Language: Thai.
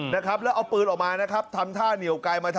แล้วเอาปืนออกมานะครับทำท่าเหนียวกายมา